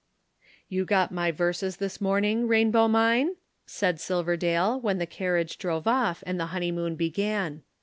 "You got my verses this morning, Rainbow mine?" said Silverdale, when the carriage drove off, and the honeymoon began.